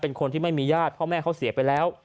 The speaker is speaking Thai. เป็นคนที่ไม่มีญาติพ่อแม่เขาเสียไปแล้ว